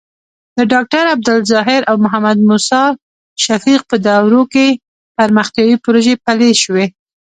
د ډاکټر عبدالظاهر او محمد موسي شفیق په دورو کې پرمختیايي پروژې پلې شوې.